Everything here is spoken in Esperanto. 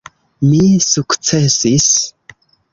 Mi sukcesis.